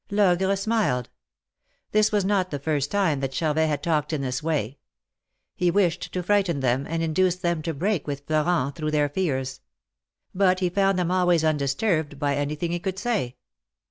Logre smiled. This was not the first time that Charvet had talked in this way. He wished to frighten them, and induce them to break with Florent, through their fears. But he found them always undisturbed by anything he could say.